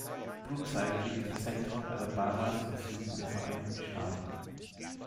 Brookside liegt im Zentrum Alabamas im Süden der Vereinigten Staaten.